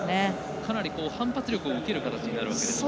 かなり反発力を受ける形になるわけですか。